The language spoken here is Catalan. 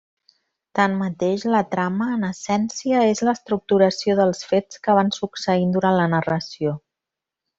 Tanmateix, la trama, en essència, és l'estructuració dels fets que van succeint durant la narració.